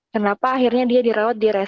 kenapa akhirnya dia direwat di respon